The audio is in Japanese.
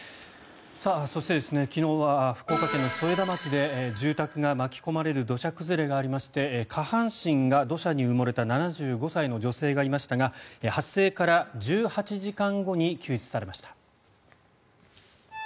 そして、昨日は福岡県添田町で住宅が巻き込まれる土砂崩れがありまして下半身が土砂に埋もれた７５歳の女性がいましたが発生から１８時間後に救出されました。